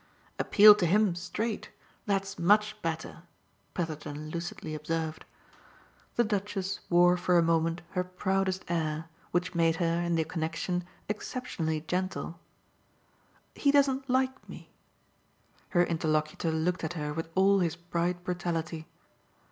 "Appeal to HIM straight. That's much better," Petherton lucidly observed. The Duchess wore for a moment her proudest air, which made her, in the connexion, exceptionally gentle. "He doesn't like me." Her interlocutor looked at her with all his bright brutality.